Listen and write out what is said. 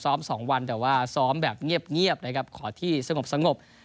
ซ้อมสองวันแต่ว่าซ้อมแบบเงียบเงียบนะครับขอที่สงบสงบ